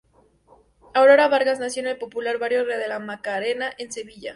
Aurora Vargas nació en el popular barrio de La Macarena en Sevilla.